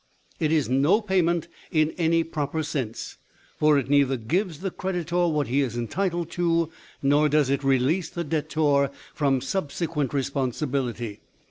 It is no payment in any proper sense, for it neither gives the creditor what he is entitled to, nor does it release the debtor from subsequent responsibility.